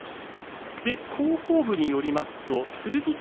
広報部によりますと剣翔